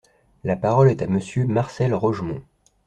La parole est à Monsieur Marcel Rogemont.